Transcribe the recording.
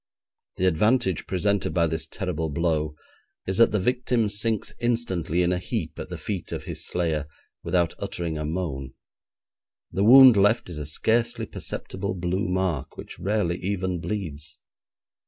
The advantage presented by this terrible blow is that the victim sinks instantly in a heap at the feet of his slayer, without uttering a moan. The wound left is a scarcely perceptible blue mark which rarely even bleeds.